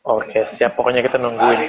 oke siap pokoknya kita nungguin